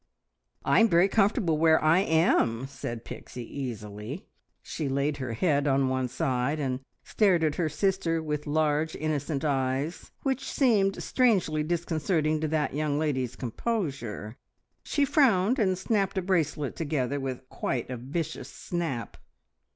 "I'm very comfortable where I am," said Pixie easily. She laid her head on one side, and stared at her sister with large, innocent eyes, which seemed strangely disconcerting to that young lady's composure. She frowned, and snapped a bracelet together with quite a vicious snap.